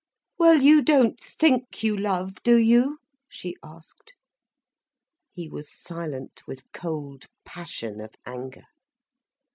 "Well you don't think you love, do you?" she asked. He was silent with cold passion of anger.